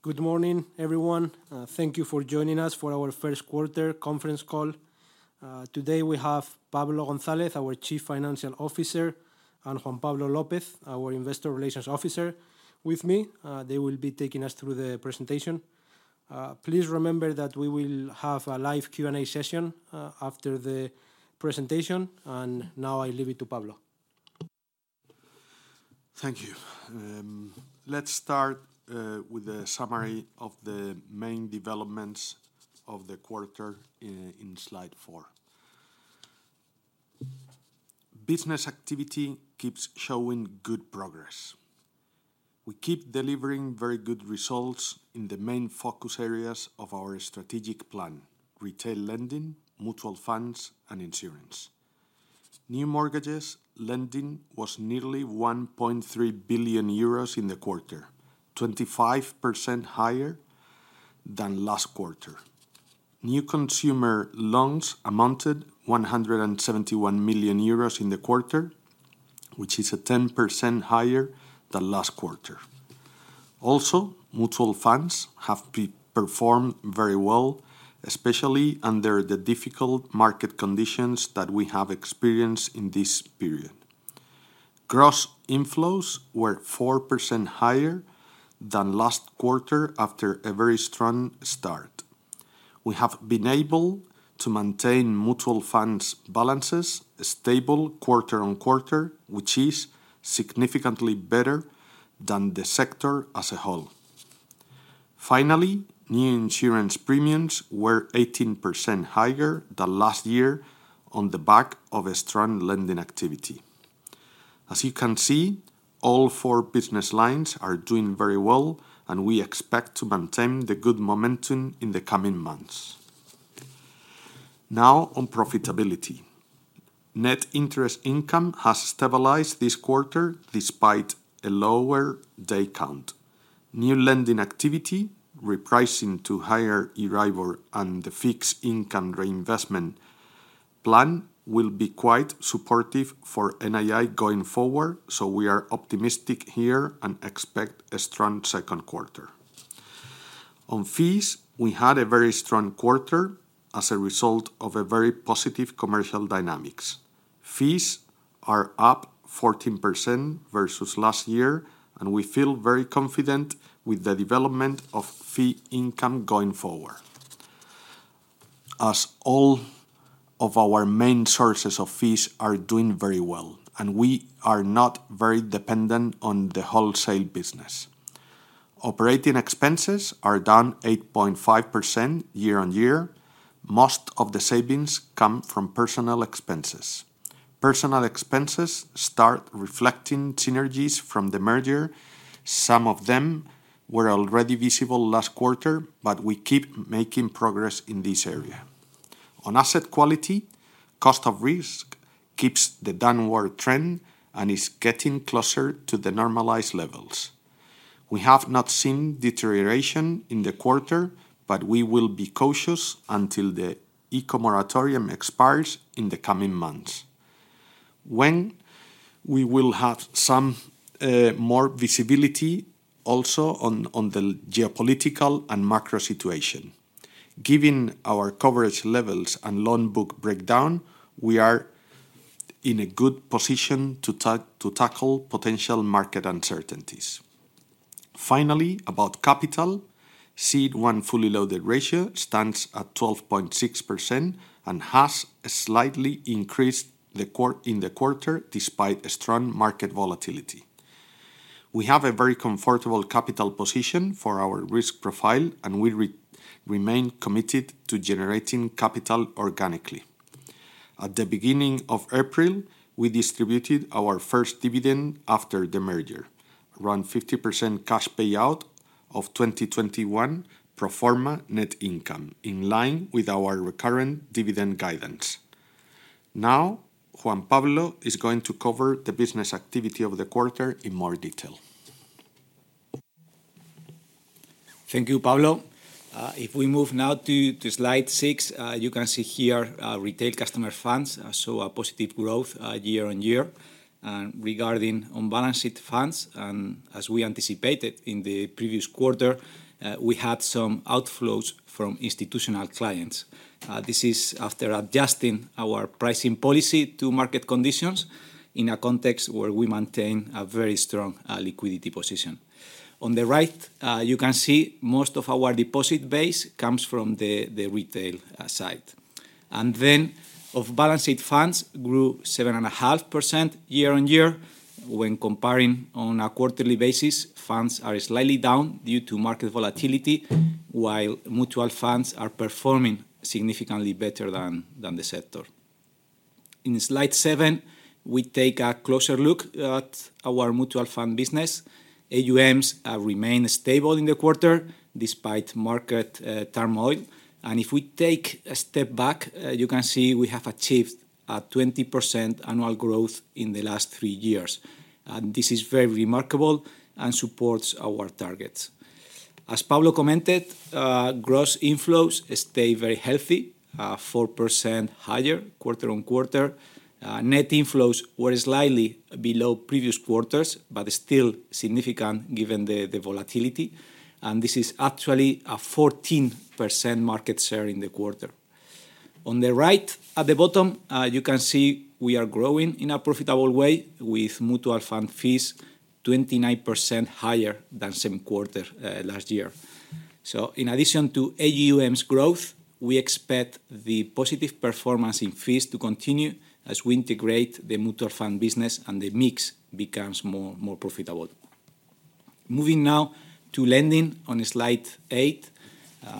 Good morning, everyone. Thank you for joining us for our first quarter conference call. Today we have Pablo González, our Chief Financial Officer, and Juan Pablo López, our Investor Relations Officer, with me. They will be taking us through the presentation. Please remember that we will have a live Q&A session, after the presentation, and now I leave it to Pablo. Thank you. Let's start with a summary of the main developments of the quarter in slide four. Business activity keeps showing good progress. We keep delivering very good results in the main focus areas of our strategic plan: retail lending, mutual funds, and insurance. New mortgages lending was nearly 1.3 billion euros in the quarter, 25% higher than last quarter. New consumer loans amounted 171 million euros in the quarter, which is 10% higher than last quarter. Also, mutual funds have performed very well, especially under the difficult market conditions that we have experienced in this period. Gross inflows were 4% higher than last quarter after a very strong start. We have been able to maintain mutual funds balances stable quarter-on-quarter, which is significantly better than the sector as a whole. Finally, new insurance premiums were 18% higher than last year on the back of a strong lending activity. As you can see, all four business lines are doing very well, and we expect to maintain the good momentum in the coming months. Now on profitability. Net interest income has stabilized this quarter despite a lower day count. New lending activity, repricing to higher Euribor, and the fixed income reinvestment plan will be quite supportive for NII going forward, so we are optimistic here and expect a strong second quarter. On fees, we had a very strong quarter as a result of a very positive commercial dynamics. Fees are up 14% versus last year, and we feel very confident with the development of fee income going forward. As all of our main sources of fees are doing very well, and we are not very dependent on the wholesale business. Operating expenses are down 8.5% year-on-year. Most of the savings come from personnel expenses. Personnel expenses start reflecting synergies from the merger. Some of them were already visible last quarter, but we keep making progress in this area. On asset quality, cost of risk keeps the downward trend and is getting closer to the normalized levels. We have not seen deterioration in the quarter, but we will be cautious until the ICO moratorium expires in the coming months. When we will have some more visibility also on the geopolitical and macro situation. Given our coverage levels and loan book breakdown, we are in a good position to tackle potential market uncertainties. Finally, about capital. CET1 fully loaded ratio stands at 12.6% and has slightly increased in the quarter despite a strong market volatility. We have a very comfortable capital position for our risk profile, and we remain committed to generating capital organically. At the beginning of April, we distributed our first dividend after the merger, around 50% cash payout of 2021 pro forma net income, in line with our recurrent dividend guidance. Now, Juan Pablo is going to cover the business activity of the quarter in more detail. Thank you, Pablo. If we move now to slide 6, you can see here our retail customer funds show a positive growth year-over-year. Regarding on-balance-sheet funds, as we anticipated in the previous quarter, we had some outflows from institutional clients. This is after adjusting our pricing policy to market conditions in a context where we maintain a very strong liquidity position. On the right, you can see most of our deposit base comes from the retail side. Off-balance-sheet funds grew 7.5% year-over-year. When comparing on a quarterly basis, funds are slightly down due to market volatility, while mutual funds are performing significantly better than the sector. In slide 7, we take a closer look at our mutual fund business. AUMs remain stable in the quarter despite market turmoil. If we take a step back, you can see we have achieved a 20% annual growth in the last three years. This is very remarkable and supports our targets. As Pablo commented, gross inflows stay very healthy, 4% higher quarter-on-quarter. Net inflows were slightly below previous quarters, but still significant given the volatility, and this is actually a 14% market share in the quarter. On the right, at the bottom, you can see we are growing in a profitable way with mutual fund fees 29% higher than same quarter last year. In addition to AUMs growth, we expect the positive performance in fees to continue as we integrate the mutual fund business, and the mix becomes more profitable. Moving now to lending on slide eight.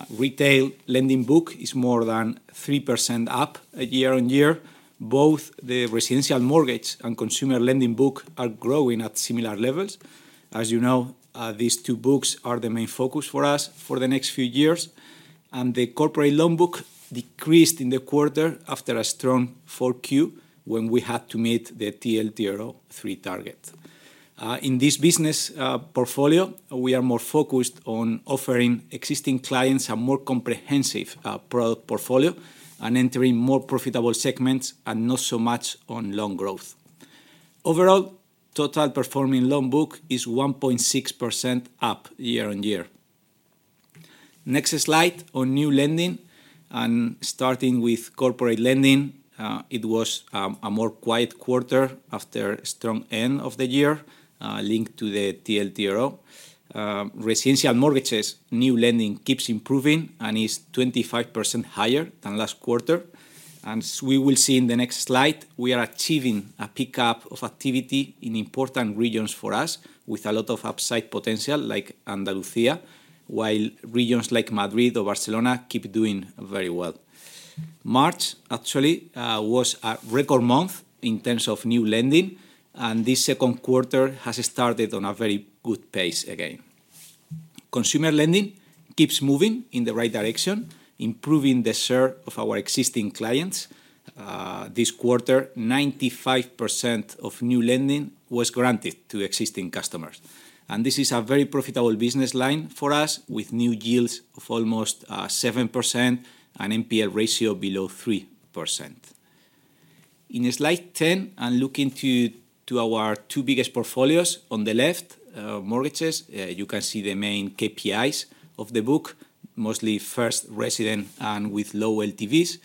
Retail lending book is more than 3% up, year-on-year. Both the residential mortgage and consumer lending book are growing at similar levels. As you know, these two books are the main focus for us for the next few years. The corporate loan book decreased in the quarter after a strong Q4, when we had to meet the TLTRO III target. In this business portfolio, we are more focused on offering existing clients a more comprehensive product portfolio and entering more profitable segments, and not so much on loan growth. Overall, total performing loan book is 1.6% up year-on-year. Next slide on new lending, starting with corporate lending. It was a more quiet quarter after strong end of the year, linked to the TLTRO. Residential mortgages, new lending keeps improving and is 25% higher than last quarter. We will see in the next slide, we are achieving a pickup of activity in important regions for us with a lot of upside potential like Andalusia, while regions like Madrid or Barcelona keep doing very well. March actually was a record month in terms of new lending, and this second quarter has started on a very good pace again. Consumer lending keeps moving in the right direction, improving the share of our existing clients. This quarter, 95% of new lending was granted to existing customers. This is a very profitable business line for us, with new yields of almost 7% and NPL ratio below 3%. In slide 10, looking to our two biggest portfolios. On the left, mortgages, you can see the main KPIs of the book, mostly first residence and with low LTVs.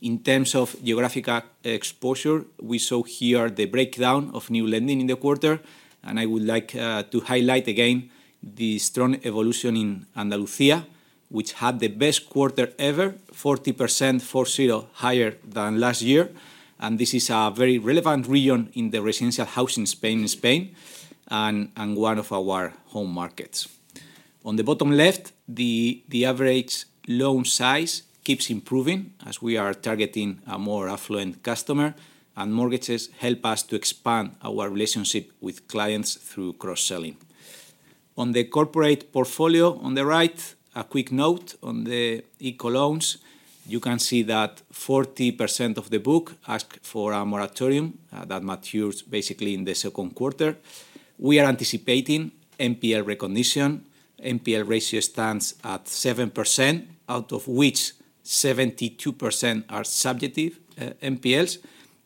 In terms of geographic exposure, we saw here the breakdown of new lending in the quarter, and I would like to highlight again the strong evolution in Andalusia, which had the best quarter ever, 40% higher than last year. This is a very relevant region in the residential housing in Spain, and one of our home markets. On the bottom left, the average loan size keeps improving as we are targeting a more affluent customer, and mortgages help us to expand our relationship with clients through cross-selling. On the corporate portfolio on the right, a quick note on the ICO loans. You can see that 40% of the book asked for a moratorium that matures basically in the second quarter. We are anticipating NPL recognition. NPL ratio stands at 7%, out of which 72% are subjective NPLs.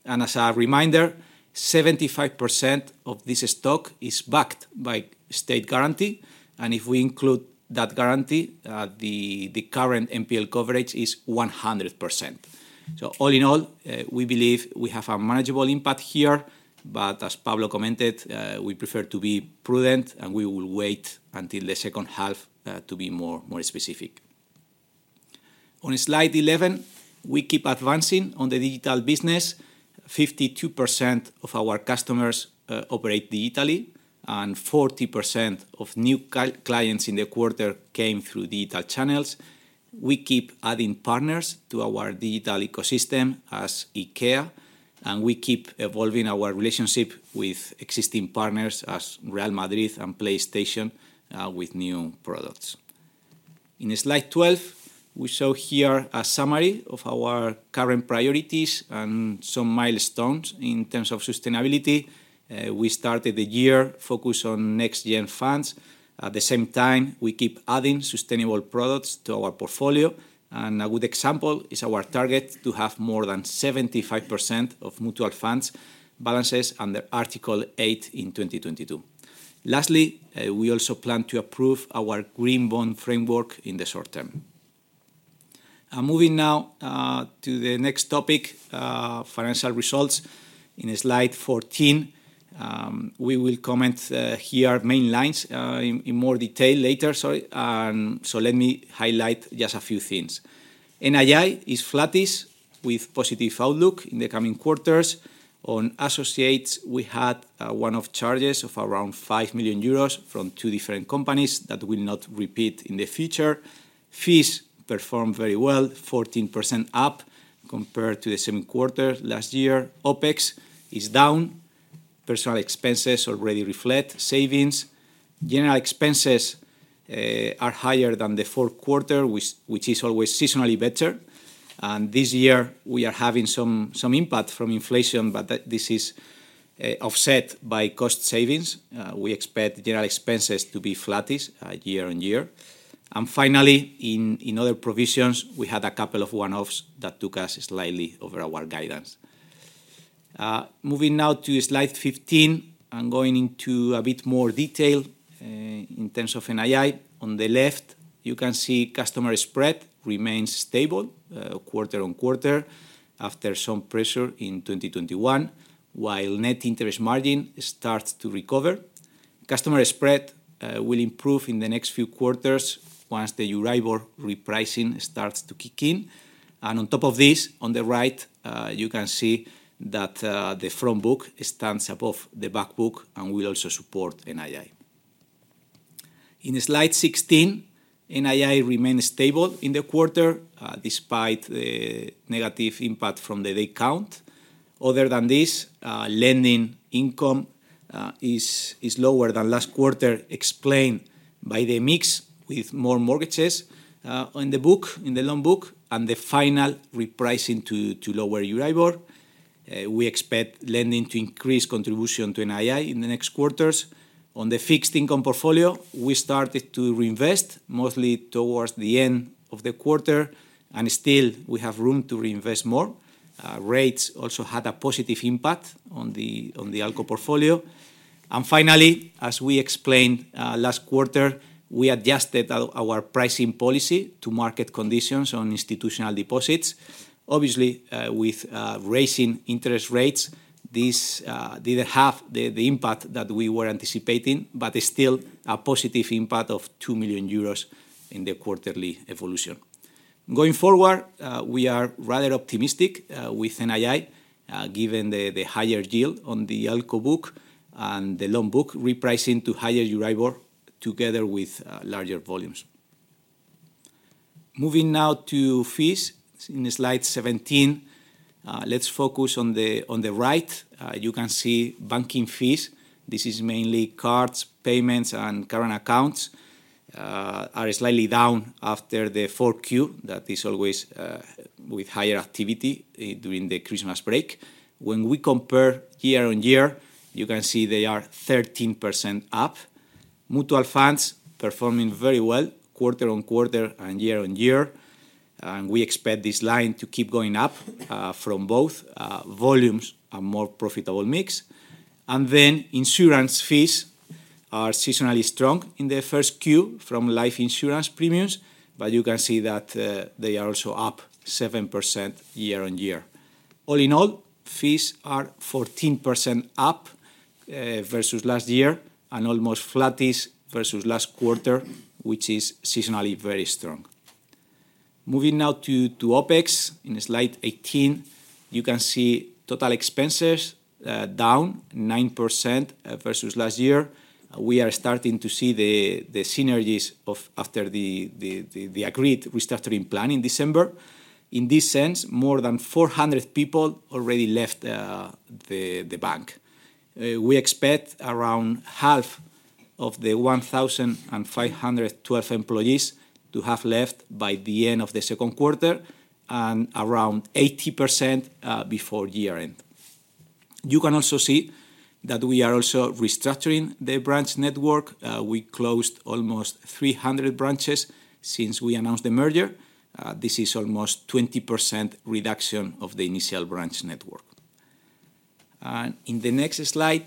As a reminder, 75% of this stock is backed by state guarantee, and if we include that guarantee, the current NPL coverage is 100%. All in all, we believe we have a manageable impact here, but as Pablo commented, we prefer to be prudent, and we will wait until the second half to be more specific. On slide 11, we keep advancing on the digital business. 52% of our customers operate digitally, and 40% of new clients in the quarter came through digital channels. We keep adding partners to our digital ecosystem as IKEA, and we keep evolving our relationship with existing partners as Real Madrid and PlayStation with new products. In slide 12, we show here a summary of our current priorities and some milestones in terms of sustainability. We started the year focused on Next Generation EU funds. At the same time, we keep adding sustainable products to our portfolio, and a good example is our target to have more than 75% of mutual funds balances under Article 8 in 2022. Lastly, we also plan to approve our Green Bond Framework in the short term. Moving now to the next topic, financial results in slide 14. We will comment here main lines in more detail later, sorry. So let me highlight just a few things. NII is flattish with positive outlook in the coming quarters. On associates, we had one-off charges of around 5 million euros from two different companies that will not repeat in the future. Fees performed very well, 14% up compared to the same quarter last year. OpEx is down. Personnel expenses already reflect savings. General expenses are higher than the fourth quarter, which is always seasonally better. This year we are having some impact from inflation, but this is offset by cost savings. We expect general expenses to be flattish year-on-year. Finally, in other provisions, we had a couple of one-offs that took us slightly over our guidance. Moving now to slide 15 and going into a bit more detail in terms of NII. On the left, you can see customer spread remains stable, quarter-on-quarter after some pressure in 2021, while net interest margin starts to recover. Customer spread will improve in the next few quarters once the Euribor repricing starts to kick in. On top of this, on the right, you can see that the front book stands above the back book and will also support NII. In slide 16, NII remained stable in the quarter, despite the negative impact from the day count. Other than this, lending income is lower than last quarter, explained by the mix with more mortgages on the book, in the loan book, and the final repricing to lower Euribor. We expect lending to increase contribution to NII in the next quarters. On the fixed income portfolio, we started to reinvest mostly towards the end of the quarter, and still we have room to reinvest more. Rates also had a positive impact on the ALCO portfolio. Finally, as we explained last quarter, we adjusted our pricing policy to market conditions on institutional deposits. Obviously, with raising interest rates, this didn't have the impact that we were anticipating, but is still a positive impact of 2 million euros in the quarterly evolution. Going forward, we are rather optimistic with NII, given the higher yield on the ALCO book and the loan book repricing to higher Euribor together with larger volumes. Moving now to fees in slide 17. Let's focus on the right. You can see banking fees. This is mainly cards, payments, and current accounts are slightly down after the 4Q. That is always with higher activity during the Christmas break. When we compare year-on-year, you can see they are 13% up. Mutual funds performing very well quarter-on-quarter and year-on-year, and we expect this line to keep going up from both volumes and more profitable mix. Insurance fees are seasonally strong in 1Q from life insurance premiums, but you can see that they are also up 7% year-on-year. All in all, fees are 14% up versus last year and almost flattish versus last quarter, which is seasonally very strong. Moving now to OpEx. In slide 18, you can see total expenses down 9% versus last year. We are starting to see the synergies after the agreed restructuring plan in December. In this sense, more than 400 people already left the bank. We expect around half of the 1,512 employees to have left by the end of the second quarter and around 80% before year-end. You can also see that we are also restructuring the branch network. We closed almost 300 branches since we announced the merger. This is almost 20% reduction of the initial branch network. In the next slide,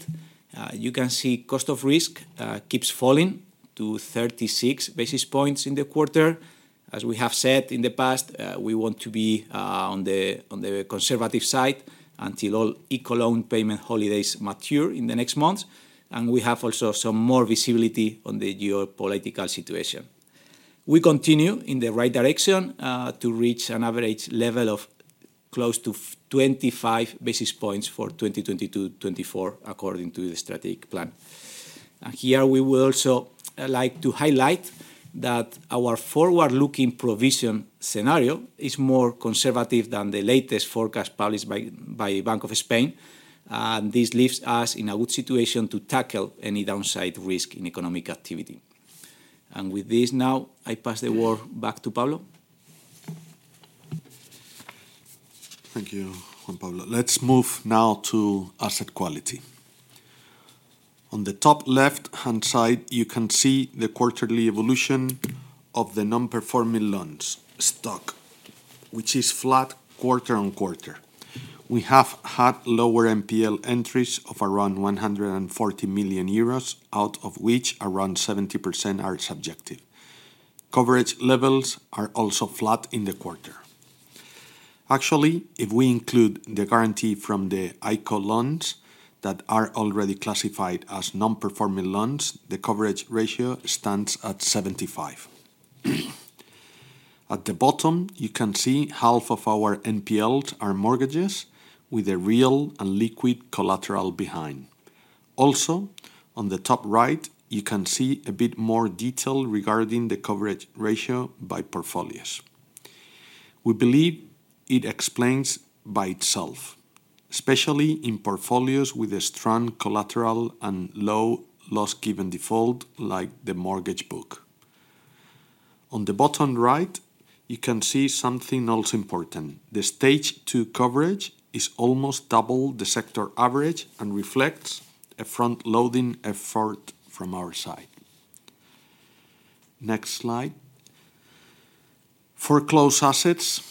you can see cost of risk keeps falling to 36 basis points in the quarter. As we have said in the past, we want to be on the conservative side until all ICO loan payment holidays mature in the next months, and we have also some more visibility on the geopolitical situation. We continue in the right direction to reach an average level of close to 25 basis points for 2020 to 2024, according to the strategic plan. Here we will also like to highlight that our forward-looking provision scenario is more conservative than the latest forecast published by Bank of Spain. This leaves us in a good situation to tackle any downside risk in economic activity. With this now, I pass the work back to Pablo. Thank you, Juan Pablo López. Let's move now to asset quality. On the top left-hand side, you can see the quarterly evolution of the non-performing loans stock, which is flat quarter-over-quarter. We have had lower NPL entries of around 140 million euros, out of which around 70% are subjective. Coverage levels are also flat in the quarter. Actually, if we include the guarantee from the ICO loans that are already classified as non-performing loans, the coverage ratio stands at 75%. At the bottom, you can see half of our NPLs are mortgages with a real and liquid collateral behind. Also, on the top right, you can see a bit more detail regarding the coverage ratio by portfolios. We believe it explains by itself, especially in portfolios with a strong collateral and low loss given default, like the mortgage book. On the bottom right, you can see something else important. The Stage 2 coverage is almost double the sector average and reflects a front-loading effort from our side. Next slide. Foreclosed assets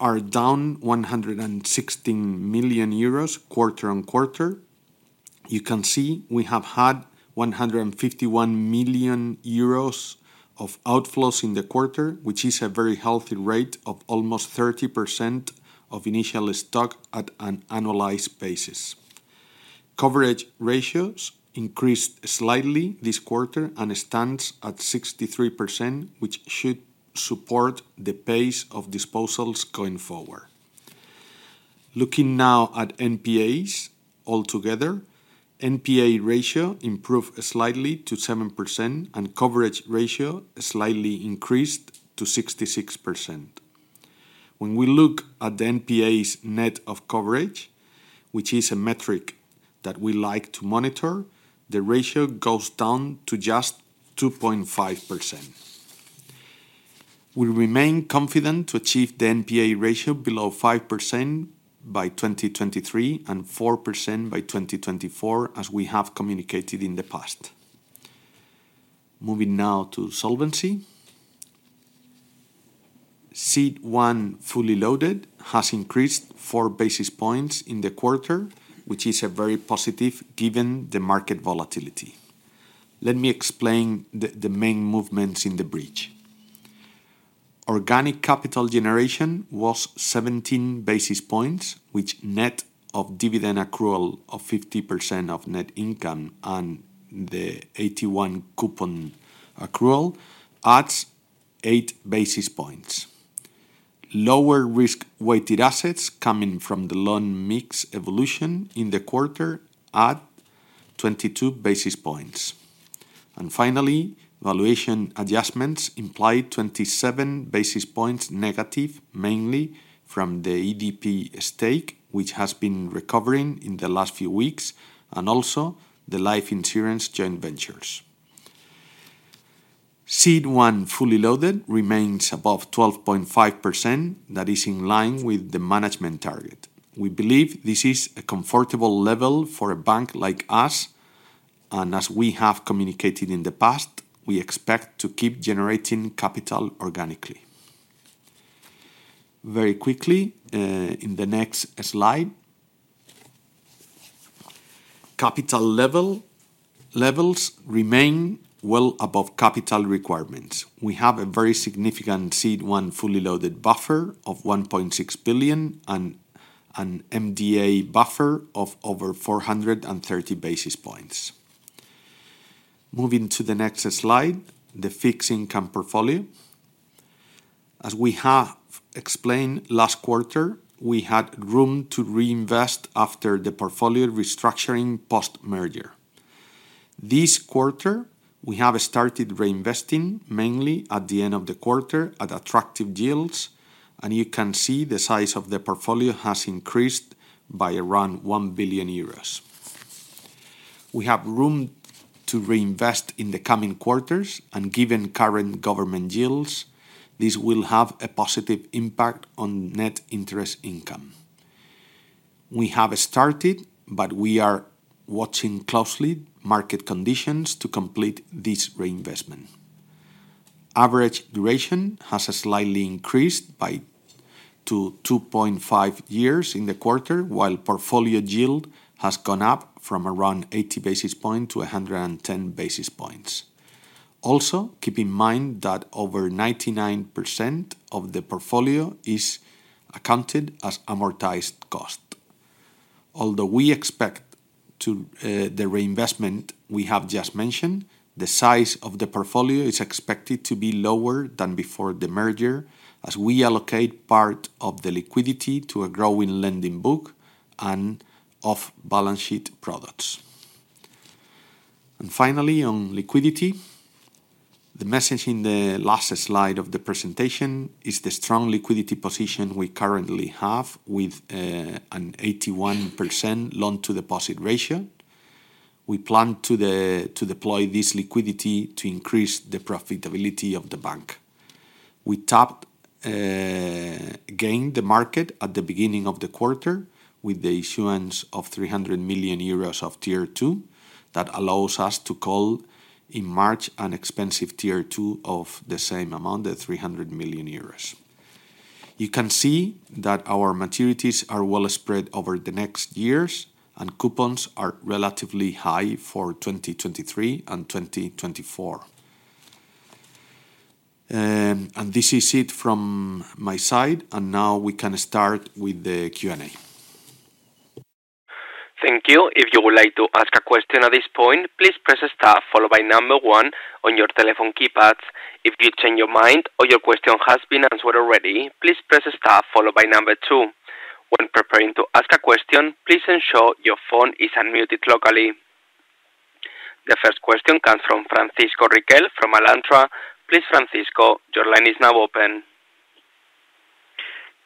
are down 116 million euros quarter-on-quarter. You can see we have had 151 million euros of outflows in the quarter, which is a very healthy rate of almost 30% of initial stock at an annualized basis. Coverage ratios increased slightly this quarter and stands at 63%, which should support the pace of disposals going forward. Looking now at NPAs. Altogether, NPA ratio improved slightly to 7%, and coverage ratio slightly increased to 66%. When we look at the NPAs net of coverage, which is a metric that we like to monitor, the ratio goes down to just 2.5%. We remain confident to achieve the NPA ratio below 5% by 2023, and 4% by 2024, as we have communicated in the past. Moving now to solvency. CET1 fully loaded has increased 4 basis points in the quarter, which is very positive given the market volatility. Let me explain the main movements in the bridge. Organic capital generation was 17 basis points, which net of dividend accrual of 50% of net income on the AT1 coupon accrual adds 8 basis points. Lower risk-weighted assets coming from the loan mix evolution in the quarter add 22 basis points. Finally, valuation adjustments implied 27 basis points negative, mainly from the EDP stake, which has been recovering in the last few weeks, and also the life insurance joint ventures. CET1 fully loaded remains above 12.5%. That is in line with the management target. We believe this is a comfortable level for a bank like us, and as we have communicated in the past, we expect to keep generating capital organically. Very quickly, in the next slide. Capital levels remain well above capital requirements. We have a very significant CET1 fully loaded buffer of 1.6 billion and an MDA buffer of over 430 basis points. Moving to the next slide, the fixed income portfolio. As we have explained last quarter, we had room to reinvest after the portfolio restructuring post-merger. This quarter, we have started reinvesting, mainly at the end of the quarter, at attractive deals, and you can see the size of the portfolio has increased by around 1 billion euros. We have room to reinvest in the coming quarters, and given current government deals, this will have a positive impact on net interest income. We have started, but we are watching closely market conditions to complete this reinvestment. Average duration has slightly increased to 2.5 years in the quarter, while portfolio yield has gone up from around 80 basis points to 110 basis points. Also, keep in mind that over 99% of the portfolio is accounted as amortized cost. Although the reinvestment we have just mentioned, the size of the portfolio is expected to be lower than before the merger, as we allocate part of the liquidity to a growing lending book and off-balance sheet products. Finally, on liquidity. The message in the last slide of the presentation is the strong liquidity position we currently have with an 81% loan-to-deposit ratio. We plan to deploy this liquidity to increase the profitability of the bank. We tapped again the market at the beginning of the quarter with the issuance of 300 million euros of Tier 2. That allows us to call in March an expensive Tier 2 of the same amount, the 300 million euros. You can see that our maturities are well spread over the next years, and coupons are relatively high for 2023 and 2024. This is it from my side, and now we can start with the Q&A. Thank you. If you would like to ask a question at this point, please press star followed by number one on your telephone keypads. If you change your mind or your question has been answered already, please press star followed by number two. When preparing to ask a question, please ensure your phone is unmuted locally. The first question comes from Francisco Riquel from Alantra. Please, Francisco, your line is now open.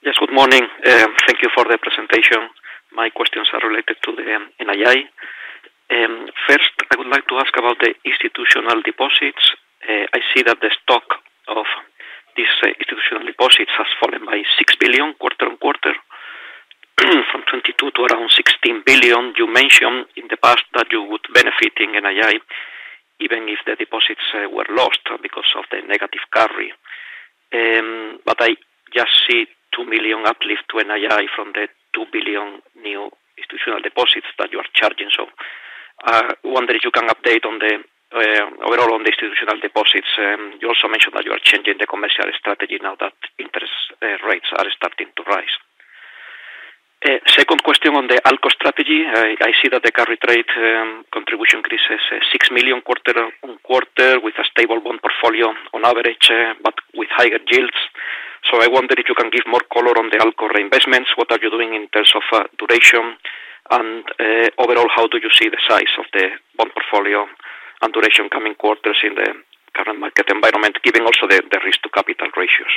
Yes, good morning. Thank you for the presentation. My questions are related to the NII. First, I would like to ask about the institutional deposits. I see that the stock of these institutional deposits has fallen by 6 billion. You mentioned in the past that you would benefiting NII even if the deposits were lost because of the negative carry. But I just see 2 million uplift to NII from the 2 billion new institutional deposits that you are charging. I wonder if you can update on the overall on the institutional deposits. You also mentioned that you are changing the commercial strategy now that interest rates are starting to rise. Second question on the ALCO strategy. I see that the carry trade contribution increases 6 million quarter-on-quarter with a stable bond portfolio on average, but with higher yields. I wonder if you can give more color on the ALCO reinvestments. What are you doing in terms of duration, and overall, how do you see the size of the bond portfolio and duration in the coming quarters in the current market environment, given also the risk to capital ratios?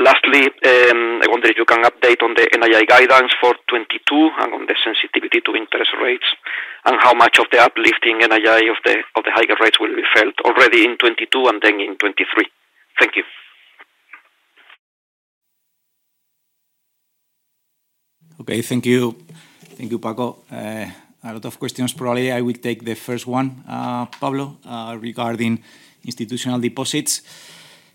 Lastly, I wonder if you can update on the NII guidance for 2022, and on the sensitivity to interest rates, and how much of the uplift in NII of the higher rates will be felt already in 2022 and then in 2023. Thank you. Okay. Thank you. Thank you, Paco. A lot of questions. Probably I will take the first one, Pablo, regarding institutional deposits.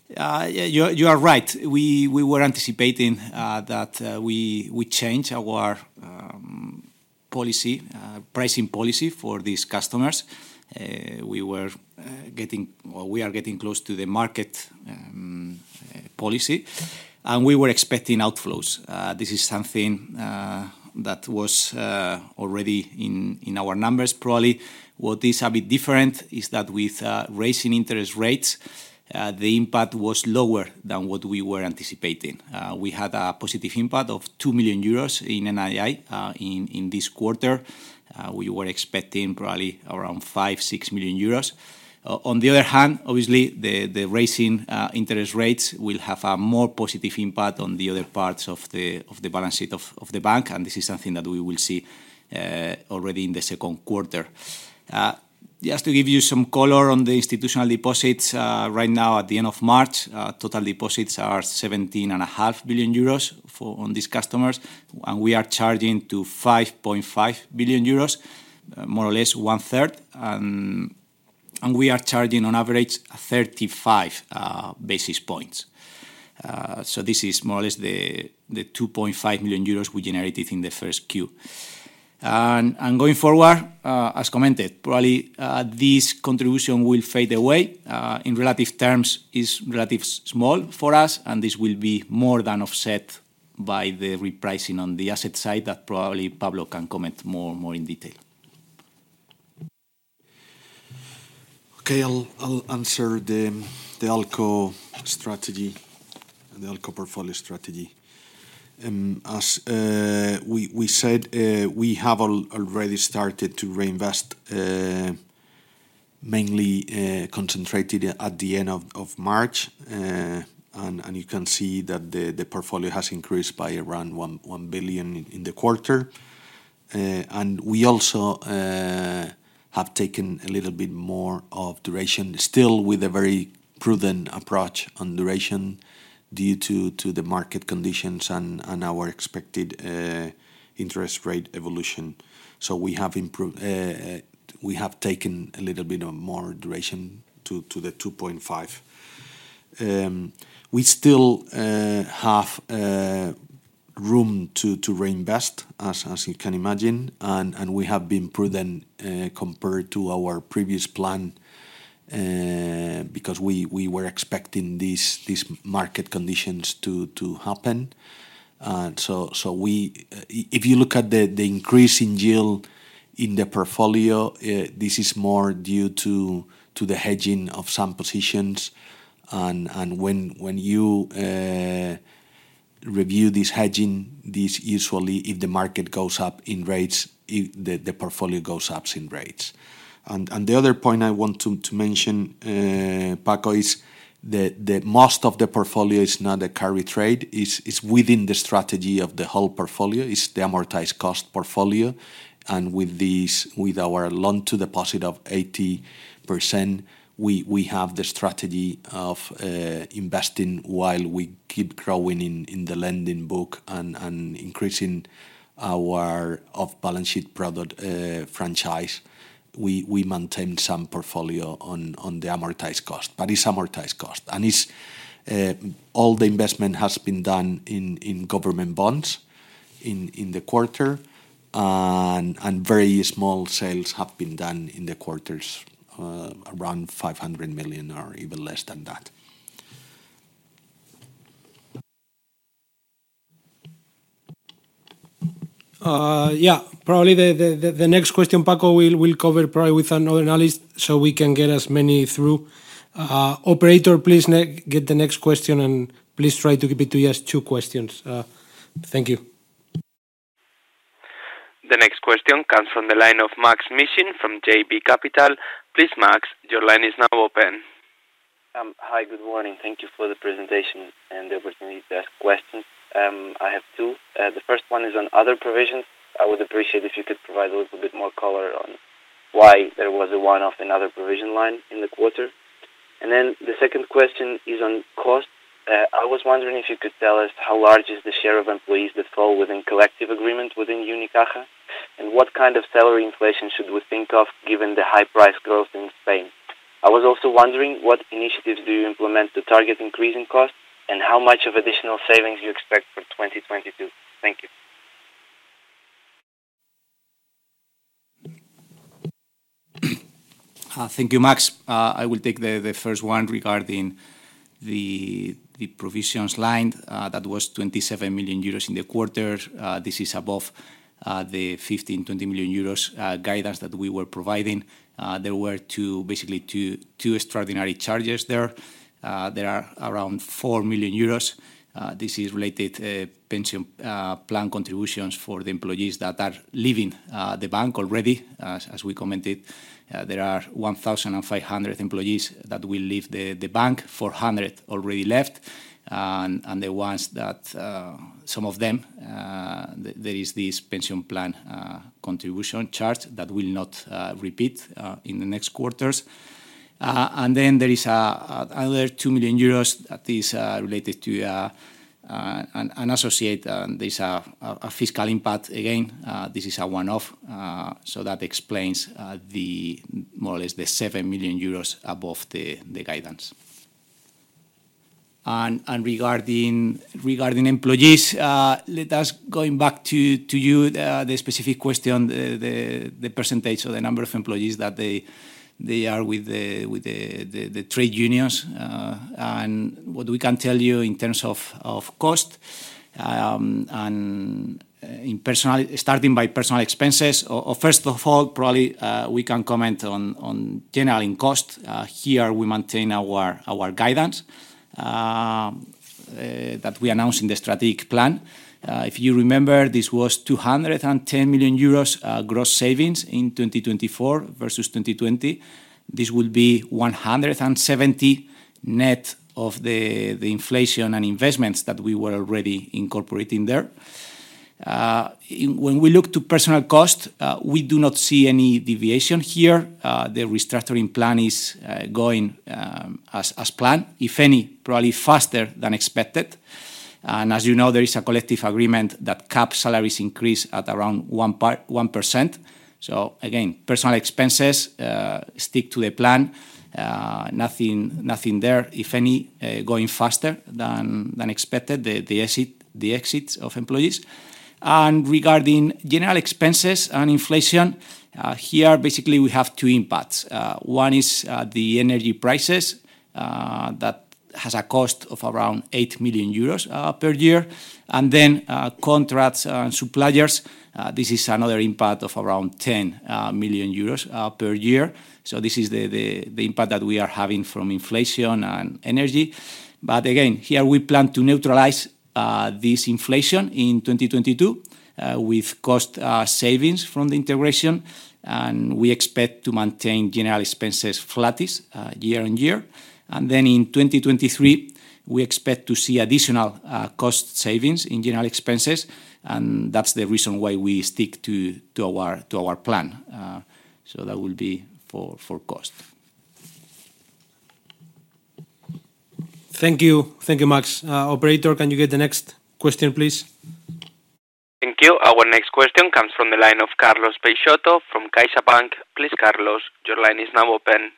Yeah, you are right. We were anticipating that we change our pricing policy for these customers. Well, we are getting close to the market policy, and we were expecting outflows. This is something that was already in our numbers probably. What is a bit different is that with raising interest rates, the impact was lower than what we were anticipating. We had a positive impact of 2 million euros in NII in this quarter. We were expecting probably around 5-6 million euros. On the other hand, obviously the raising interest rates will have a more positive impact on the other parts of the balance sheet of the bank, and this is something that we will see already in the second quarter. Just to give you some color on the institutional deposits, right now at the end of March, total deposits are 17.5 billion euros from these customers, and we are charging on 5.5 billion euros, more or less one-third, and we are charging on average 35 basis points. So this is more or less the 2.5 million euros we generated in the 1Q. Going forward, as commented, probably this contribution will fade away. In relative terms, it's relatively small for us, and this will be more than offset by the repricing on the asset side that probably Pablo can comment more in detail. Okay. I'll answer the ALCO strategy, the ALCO portfolio strategy. As we said, we have already started to reinvest, mainly concentrated at the end of March. You can see that the portfolio has increased by around 1 billion in the quarter. We also have taken a little bit more of duration, still with a very prudent approach on duration due to the market conditions and our expected interest rate evolution. We have taken a little bit more of duration to the 2.5. We still have room to reinvest, as you can imagine, and we have been prudent compared to our previous plan because we were expecting these market conditions to happen. If you look at the increase in yield in the portfolio, this is more due to the hedging of some positions. When you review this hedging, this usually if the market goes up in rates, if the portfolio goes up in rates. The other point I want to mention, Paco, is most of the portfolio is not a carry trade. It's within the strategy of the whole portfolio. It's the amortised cost portfolio. With this, with our loan-to-deposit of 80%, we have the strategy of investing while we keep growing in the lending book and increasing our off-balance sheet product franchise. We maintain some portfolio on the amortized cost, but it's amortized cost. It's all the investment has been done in government bonds in the quarter, and very small sales have been done in the quarters, around 500 million or even less than that. Yeah. Probably the next question, Paco, we'll cover probably with another analyst so we can get as many through. Operator, please get the next question, and please try to give it to just two questions. Thank you. The next question comes from the line of Maksym Mishyn from JB Capital Markets. Please, Maksym, your line is now open. Hi. Good morning. Thank you for the presentation and the opportunity to ask questions. I have two. The first one is on other provisions. I would appreciate if you could provide a little bit more color on why there was a one-off in other provision line in the quarter. The second question is on cost. I was wondering if you could tell us how large is the share of employees that fall within collective agreement within Unicaja, and what kind of salary inflation should we think of given the high price growth in Spain? I was also wondering what initiatives do you implement to target increasing costs, and how much of additional savings you expect for 2022. Thank you. Thank you, Max. I will take the first one regarding the provisions line, that was 27 million euros in the quarter. This is above the 15 million-20 million euros guidance that we were providing. There were two basically two extraordinary charges there. There are around 4 million euros. This is related to pension plan contributions for the employees that are leaving the bank already. As we commented, there are 1,500 employees that will leave the bank, 400 already left. The ones that some of them there is this pension plan contribution charge that will not repeat in the next quarters. Then there is another 2 million euros that is related to an associate. This is a fiscal impact again. This is a one-off. So that explains the more or less 7 million euros above the guidance. Regarding employees, let's go back to you, the percentage or the number of employees that are with the trade unions. And what we can tell you in terms of cost and in personnel expenses, starting by personnel expenses. Or first of all, probably, we can comment on G&A costs. Here we maintain our guidance that we announced in the strategic plan. If you remember, this was 210 million euros gross savings in 2024 versus 2020. This will be 170 net of the inflation and investments that we were already incorporating there. When we look to personnel cost, we do not see any deviation here. The restructuring plan is going as planned, if any, probably faster than expected. As you know, there is a collective agreement that caps salary increases at around 1%. Again, personnel expenses stick to the plan. Nothing there, if any, going faster than expected, the exits of employees. Regarding general expenses and inflation, here, basically we have two impacts. One is the energy prices that has a cost of around 8 million euros per year. Contracts and suppliers, this is another impact of around 10 million euros per year. This is the impact that we are having from inflation and energy. But again, here we plan to neutralize this inflation in 2022 with cost savings from the integration, and we expect to maintain general expenses flattish year-over-year. Then in 2023, we expect to see additional cost savings in general expenses, and that's the reason why we stick to our plan. So that will be for cost. Thank you. Thank you, Max. Operator, can you get the next question, please? Thank you. Our next question comes from the line of Carlos Peixoto from CaixaBank. Please, Carlos, your line is now open.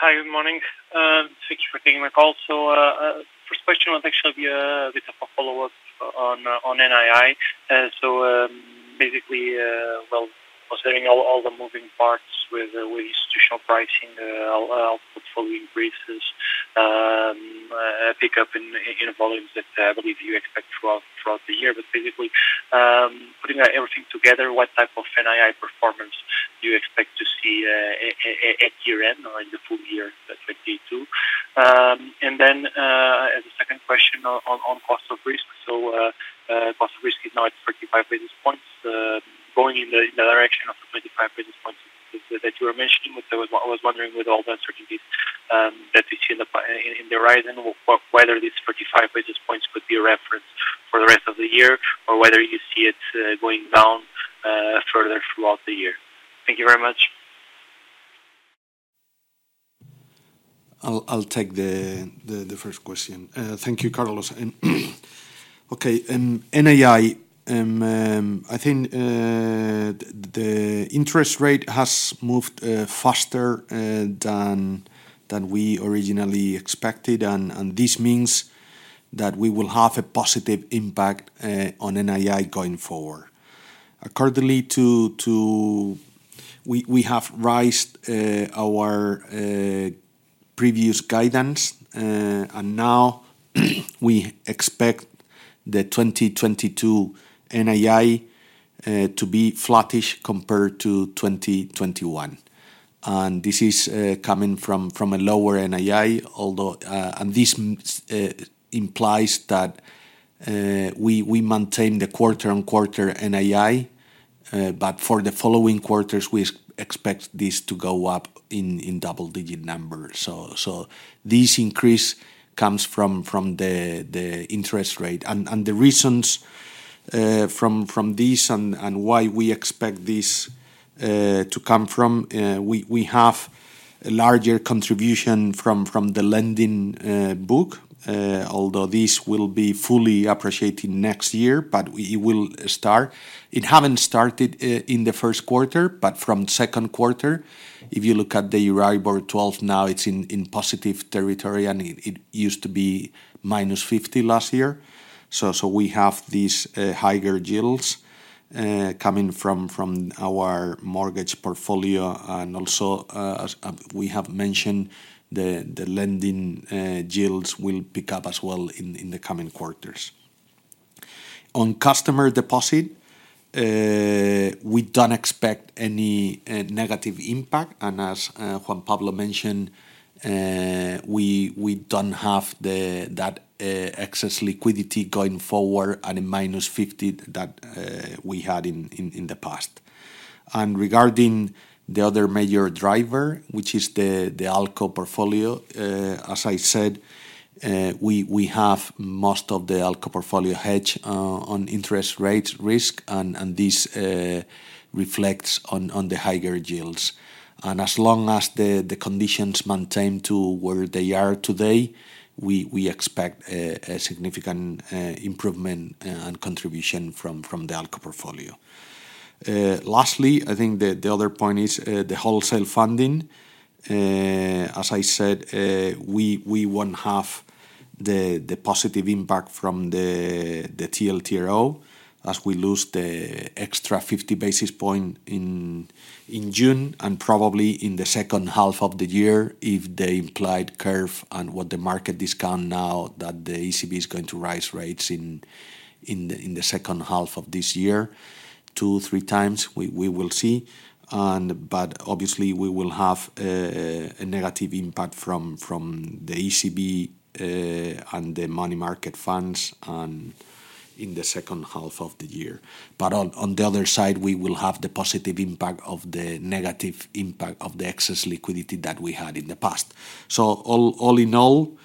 Hi, good morning. Thank you for taking my call. First question would actually be a bit of a follow-up on NII. Basically, well, considering all the moving parts with the institutional pricing outflow following increases, a pickup in volumes that I believe you expect throughout the year. Basically, putting everything together, what type of NII performance do you expect to see at year-end or in the full year 2022? As a second question on cost of risk. Cost of risk is now at 35 basis points, going in the direction of the 25 basis points that you were mentioning. I was wondering, with all the uncertainties that we see in the horizon, whether this 35 basis points could be a reference for the rest of the year or whether you see it going down further throughout the year. Thank you very much. I'll take the first question. Thank you, Carlos. Okay, NII. I think the interest rate has moved faster than we originally expected. This means that we will have a positive impact on NII going forward. According to—we have raised our previous guidance, and now we expect the 2022 NII to be flattish compared to 2021. This is coming from a lower NII although. This implies that we maintain the quarter-on-quarter NII, but for the following quarters we expect this to go up in double-digit numbers. This increase comes from the interest rate. The reasons from this and why we expect this To come from, we have a larger contribution from the lending book, although this will be fully appreciated next year, but it will start. It haven't started in the first quarter, but from second quarter, if you look at the 12-month Euribor now it's in positive territory, and it used to be -50 last year. We have these higher yields coming from our mortgage portfolio and also, as we have mentioned, the lending yields will pick up as well in the coming quarters. On customer deposit, we don't expect any negative impact, and as Juan Pablo López mentioned, we don't have that excess liquidity going forward at a -50 that we had in the past. Regarding the other major driver, which is the ALCO portfolio, as I said, we have most of the ALCO portfolio hedge on interest rate risk and this reflects on the higher yields. As long as the conditions maintain to where they are today, we expect a significant improvement and contribution from the ALCO portfolio. Lastly, I think the other point is the wholesale funding. As I said, we won't have the positive impact from the TLTRO as we lose the extra 50 basis points in June and probably in the second half of the year if the implied curve and what the market discounts now that the ECB is going to rise rates in the second half of this year, 2-3x. We will see, but obviously we will have a negative impact from the ECB and the money market funds in the second half of the year. On the other side, we will have the positive impact of the negative impact of the excess liquidity that we had in the past. All in all,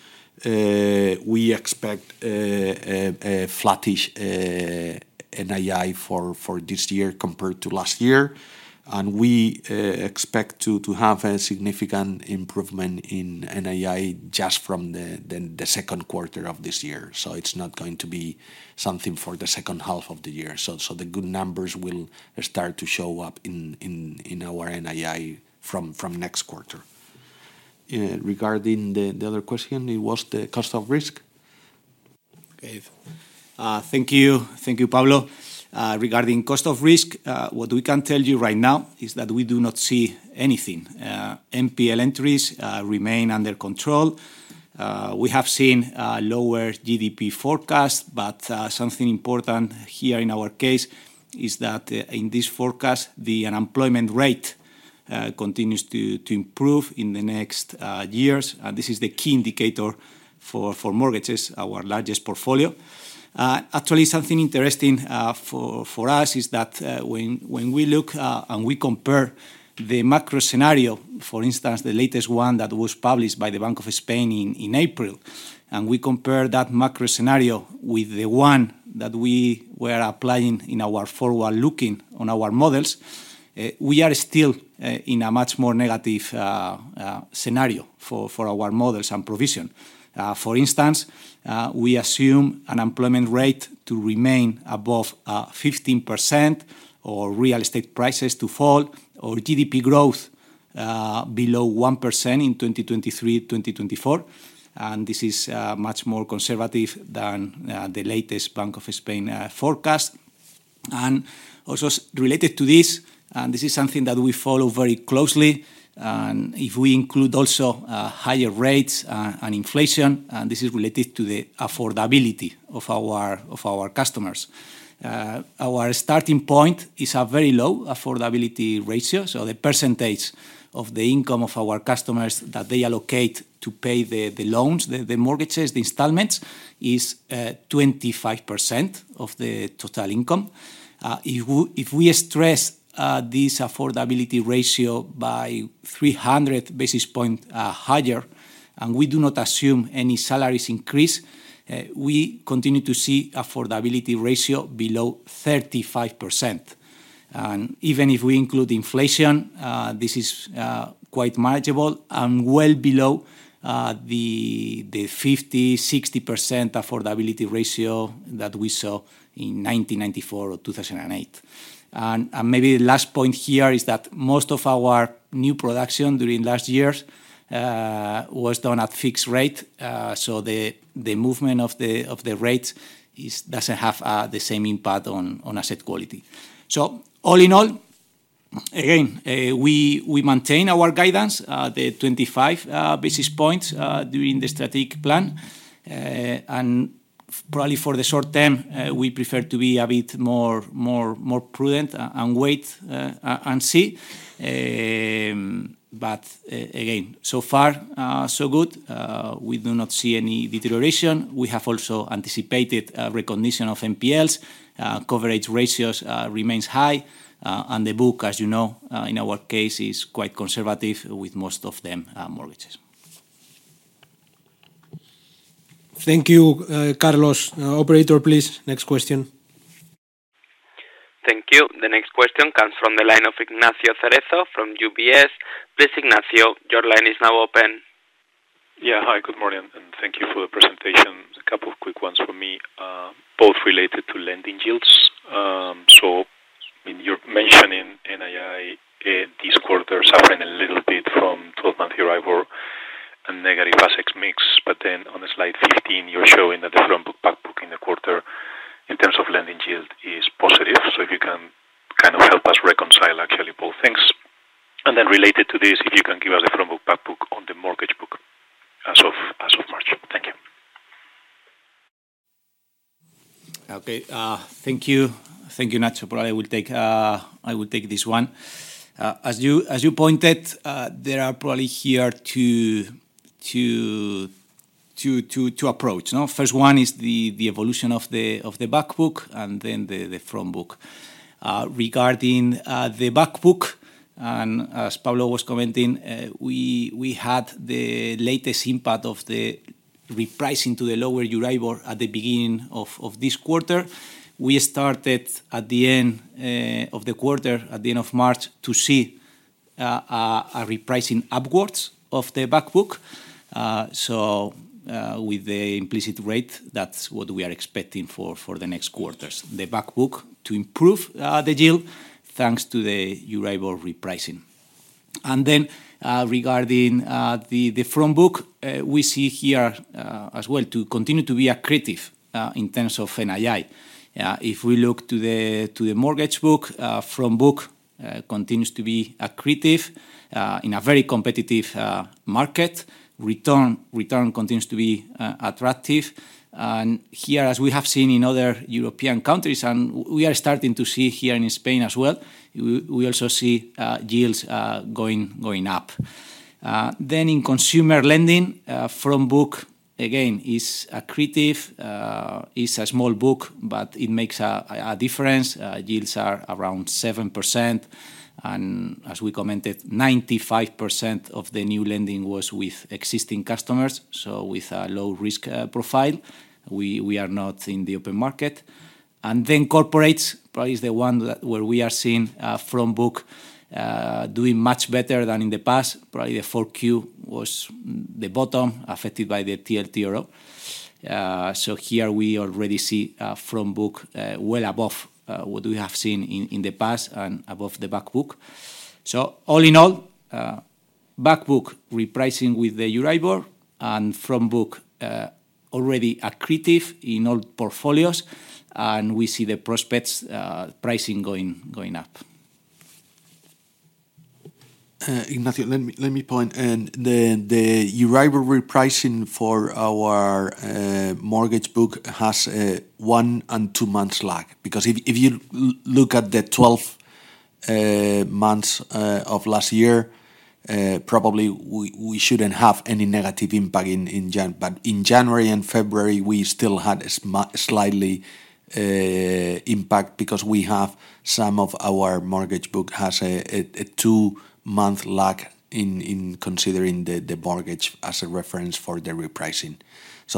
we expect a flattish NII for this year compared to last year, and we expect to have a significant improvement in NII just from the second quarter of this year. It's not going to be something for the second half of the year. The good numbers will start to show up in our NII from next quarter. Regarding the other question, it was the cost of risk? Okay. Thank you. Thank you, Pablo. Regarding cost of risk, what we can tell you right now is that we do not see anything. NPL entries remain under control. We have seen lower GDP forecast, but something important here in our case is that in this forecast, the unemployment rate continues to improve in the next years. This is the key indicator for mortgages, our largest portfolio. Actually, something interesting for us is that when we look and we compare the macro scenario, for instance, the latest one that was published by the Bank of Spain in April, and we compare that macro scenario with the one that we were applying in our forward-looking on our models, we are still in a much more negative scenario for our models and provision. For instance, we assume unemployment rate to remain above 15% or real estate prices to fall or GDP growth below 1% in 2023, 2024, and this is much more conservative than the latest Bank of Spain forecast. Also related to this, and this is something that we follow very closely, and if we include also, higher rates, and inflation, and this is related to the affordability of our customers. Our starting point is a very low affordability ratio, so the percentage of the income of our customers that they allocate to pay the loans, the mortgages, the installments, is 25% of the total income. If we stress this affordability ratio by 300 basis points higher, and we do not assume any salaries increase, we continue to see affordability ratio below 35%. Even if we include inflation, this is quite manageable and well below the 50%-60% affordability ratio that we saw in 1994 or 2008. Maybe the last point here is that most of our new production during last years was done at fixed rate. The movement of the rates doesn't have the same impact on asset quality. All in all, we maintain our guidance, the 25 basis points during the strategic plan. Probably for the short term, we prefer to be a bit more prudent and wait and see. Again, so far, so good. We do not see any deterioration. We have also anticipated recognition of NPLs. Coverage ratios remains high. The book, as you know, in our case, is quite conservative with most of them are mortgages. Thank you, Carlos. Operator, please, next question. Thank you. The next question comes from the line of Ignacio Cerezo from UBS. Please, Ignacio, your line is now open. Hi, good morning, and thank you for the presentation. A couple of quick ones from me, both related to lending yields. When you're mentioning NII, this quarter suffering a little bit from 12-month Euribor and negative assets mix, but then on slide 15, you're showing that the front book/back book in the quarter in terms of lending yield is positive. If you can kind of help us reconcile actually both things. Then related to this, if you can give us the front book/back book on the mortgage book as of March. Thank you. Okay. Thank you. Thank you, Nacho. Probably I will take, I will take this one. As you pointed, there are probably here two approaches, no? First one is the evolution of the back book and then the front book. Regarding the back book, and as Pablo was commenting, we had the latest impact of the repricing to the lower Euribor at the beginning of this quarter. We started at the end of the quarter, at the end of March, to see a repricing upwards of the back book. So, with the implicit rate, that's what we are expecting for the next quarters, the back book to improve the yield thanks to the Euribor repricing. Regarding the front book, we see here as well to continue to be accretive in terms of NII. If we look to the mortgage book, front book continues to be accretive in a very competitive market. Return continues to be attractive. Here, as we have seen in other European countries, and we are starting to see here in Spain as well, we also see yields going up. In consumer lending, front book again is accretive. It's a small book, but it makes a difference. Yields are around 7%. As we commented, 95% of the new lending was with existing customers, so with a low risk profile. We are not in the open market. Corporates probably is the one that, where we are seeing front book doing much better than in the past. Probably Q4 was the bottom affected by the TLTRO. Here we already see a front book well above what we have seen in the past and above the back book. All in all, back book repricing with the Euribor and front book already accretive in all portfolios, and we see the prospects pricing going up. Ignacio, let me point. The Euribor repricing for our mortgage book has a 1- and 2-month lag. Because if you look at the 12 months of last year, probably we shouldn't have any negative impact in January. In January and February, we still had a slightly impact because we have some of our mortgage book has a 2-month lag in considering the mortgage as a reference for the repricing.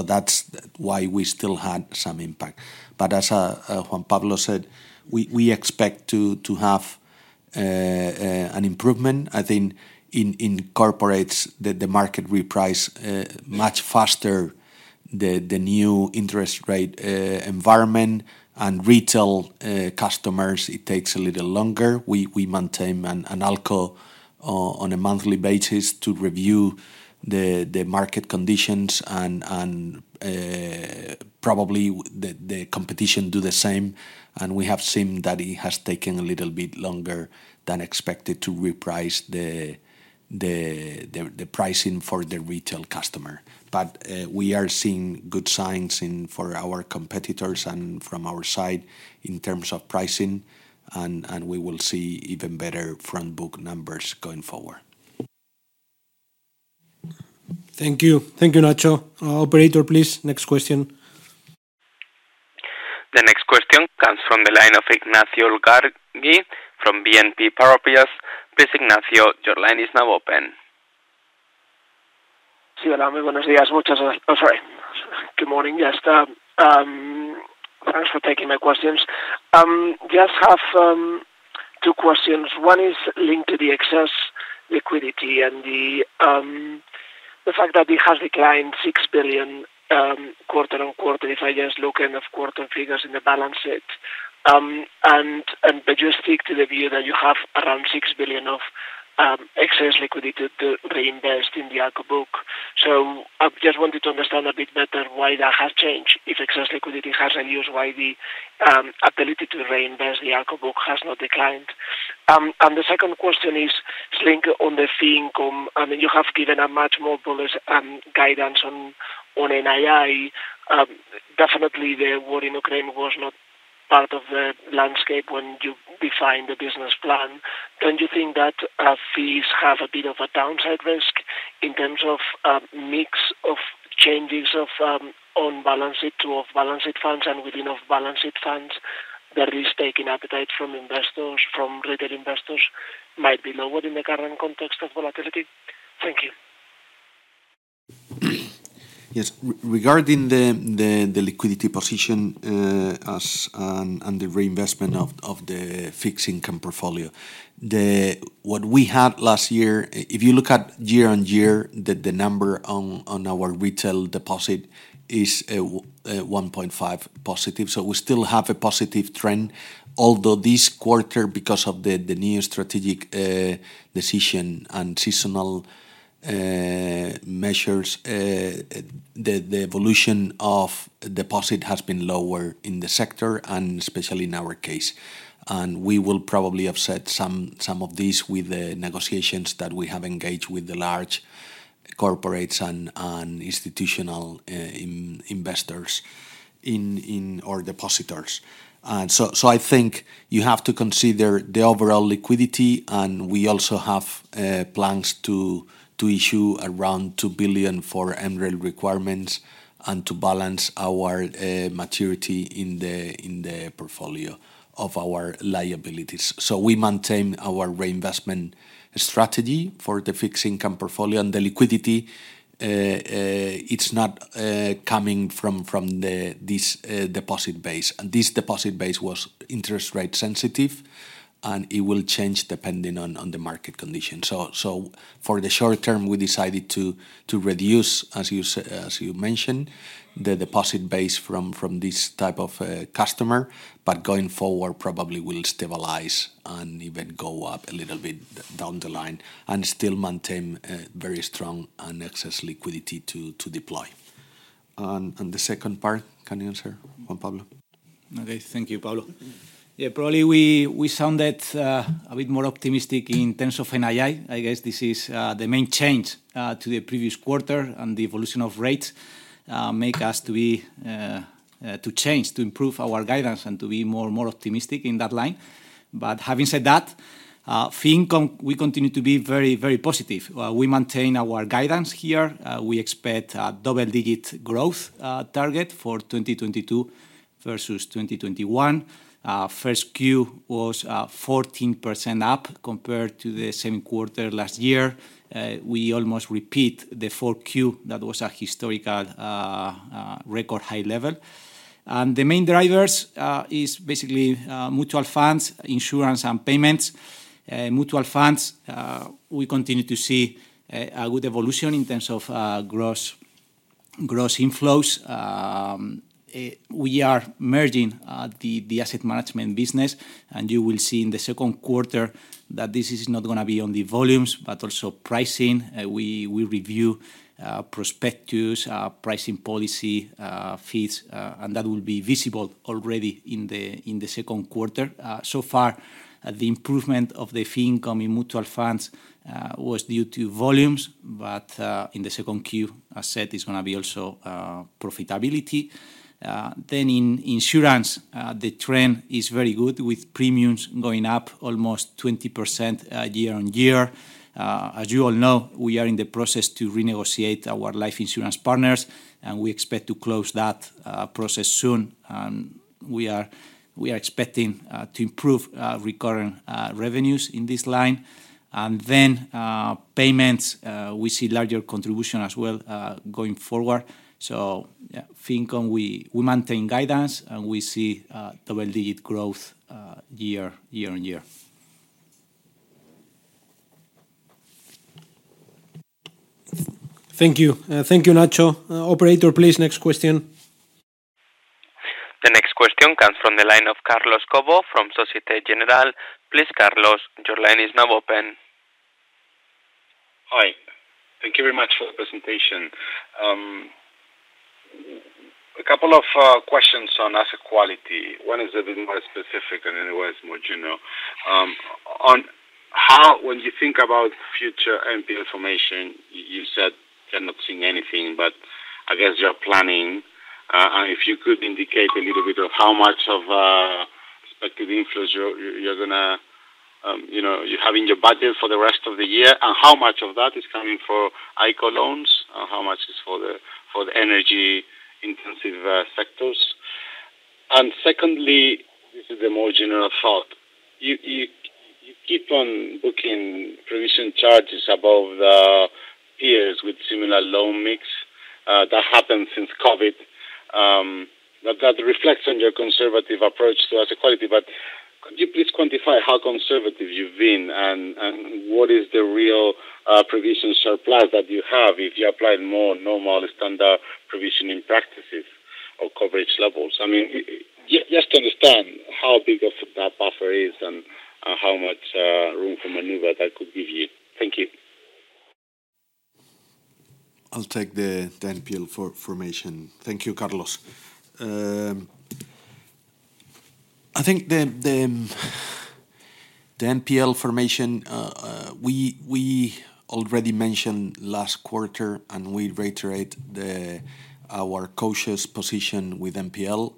That's why we still had some impact. As Juan Pablo said, we expect to have an improvement. I think in corporates, the market reprice much faster the new interest rate environment. Retail customers, it takes a little longer. We maintain an ALCO on a monthly basis to review the market conditions and probably the competition do the same. We have seen that it has taken a little bit longer than expected to reprice the pricing for the retail customer. We are seeing good signs in for our competitors and from our side in terms of pricing and we will see even better front book numbers going forward. Thank you. Thank you, Nacho. Operator, please, next question. The next question comes from the line of Ignacio Ulargui from BNP Paribas. Please, Ignacio, your line is now open. Oh, sorry. Good morning. Yes, thanks for taking my questions. Just have two questions. One is linked to the excess liquidity and the fact that it has declined 6 billion quarter-on-quarter if I just look end of quarter figures in the balance sheet. But you stick to the view that you have around 6 billion of excess liquidity to reinvest in the ALCO book. I just wanted to understand a bit better why that has changed. If excess liquidity has reduced, why the ability to reinvest the ALCO book has not declined. The second question is linked on the fee income. I mean, you have given a much more bullish guidance on NII. Definitely the war in Ukraine was not part of the landscape when you defined the business plan. Don't you think that fees have a bit of a downside risk in terms of mix of changes of on-balance sheet to off-balance sheet funds and within off-balance sheet funds? The risk-taking appetite from investors, from retail investors might be lower in the current context of volatility. Thank you. Yes. Regarding the liquidity position and the reinvestment of the fixed income portfolio, what we had last year, if you look at year-on-year, the number on our retail deposit is 1.5% positive. We still have a positive trend. Although this quarter, because of the new strategic decision and seasonal measures, the evolution of deposit has been lower in the sector and especially in our case. We will probably offset some of these with the negotiations that we have engaged with the large corporates and institutional investors or depositors. I think you have to consider the overall liquidity, and we also have plans to issue around 2 billion for MREL requirements and to balance our maturity in the portfolio of our liabilities. We maintain our reinvestment strategy for the fixed income portfolio. The liquidity, it's not coming from this deposit base. This deposit base was interest rate sensitive, and it will change depending on the market conditions. For the short term, we decided to reduce, as you mentioned, the deposit base from this type of customer. But going forward, probably will stabilize and even go up a little bit down the line and still maintain a very strong and excess liquidity to deploy. The second part, can you answer, Juan Pablo? Okay. Thank you, Pablo. Yeah, probably we sounded a bit more optimistic in terms of NII. I guess this is the main change to the previous quarter, and the evolution of rates make us to change, to improve our guidance and to be more optimistic in that line. Having said that, fee income, we continue to be very positive. We maintain our guidance here. We expect a double-digit growth target for 2022 versus 2021. Q1 was 14% up compared to the same quarter last year. We almost repeat the Q4 that was a historical record high level. The main drivers is basically mutual funds, insurance, and payments. Mutual funds, we continue to see a good evolution in terms of gross inflows. We are merging the asset management business, and you will see in the second quarter that this is not gonna be on the volumes but also pricing. We review prospectus pricing policy fees, and that will be visible already in the second quarter. So far, the improvement of the fee income in mutual funds was due to volumes, but in the second Q, as said, it's gonna be also profitability. In insurance, the trend is very good, with premiums going up almost 20% year-on-year. As you all know, we are in the process to renegotiate our life insurance partners, and we expect to close that process soon. We are expecting to improve recurring revenues in this line. Payments, we see larger contribution as well, going forward. Yeah, fee income, we maintain guidance, and we see double-digit growth year-on-year. Thank you. Thank you, Nacho. Operator, please, next question. The next question comes from the line of Carlos Cobo from Société Générale. Please, Carlos, your line is now open. Hi. Thank you very much for the presentation. A couple of questions on asset quality. One is a little more specific, and otherwise more general. On how, when you think about future NPL formation, you said you're not seeing anything, but I guess you're planning. If you could indicate a little bit of how much of expected inflows you're gonna, you know, you have in your budget for the rest of the year and how much of that is coming from ICO loans and how much is for the energy-intensive sectors. Secondly, this is a more general thought. You keep on booking provision charges above the peers with similar loan mix, that happened since COVID, that reflects on your conservative approach to asset quality. Could you please quantify how conservative you've been and what is the real provision surplus that you have if you applied more normal standard provisioning practices or coverage levels? I mean, just to understand how big of a buffer is and how much room for maneuver that could give you. Thank you. I'll take the NPL formation. Thank you, Carlos. I think the NPL formation we already mentioned last quarter, and we reiterate our cautious position with NPL.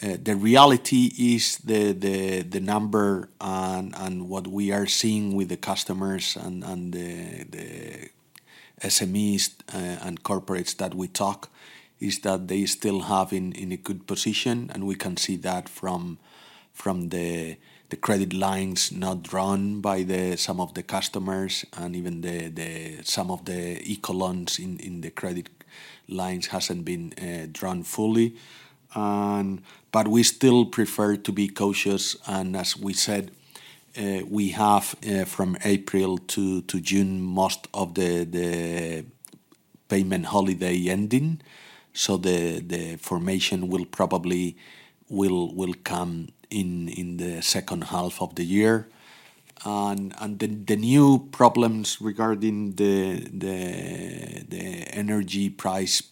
The reality is the number and what we are seeing with the customers and the SMEs and corporates that we talk is that they still have a good position, and we can see that from the credit lines not drawn by some of the customers and even some of the ICO loans in the credit lines hasn't been drawn fully, and We still prefer to be cautious, and as we said, we have from April to June, most of the payment holiday ending, so the formation will probably come in the second half of the year. The new problems regarding the energy price